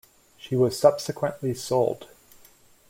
She was subsequently sold.